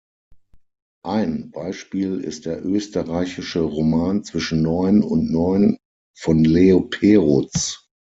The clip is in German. Ein Beispiel ist der österreichische Roman Zwischen neun und neun von Leo Perutz.